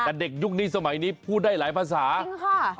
แต่เด็กยุคนี้สมัยนี้พูดได้หลายภาษาค่ะ